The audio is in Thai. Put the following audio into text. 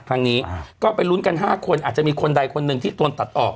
ครั้งนี้ก็ไปลุ้นกัน๕คนอาจจะมีคนใดคนหนึ่งที่โดนตัดออก